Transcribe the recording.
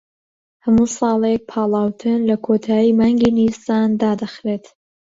هەموو ساڵێک پاڵاوتن لە کۆتایی مانگی نیسان دادەخرێت